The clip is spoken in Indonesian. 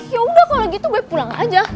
yaudah kalo gitu gue pulang aja